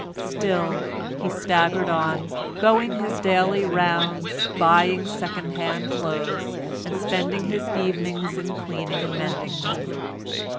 Still he staggered on, going his daily rounds, buying second hand clothes, and spending his evenings in cleaning and mending them.